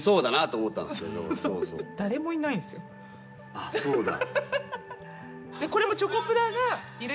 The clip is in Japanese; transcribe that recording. あっそうだ。